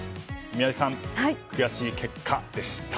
宮司さん、悔しい結果でした。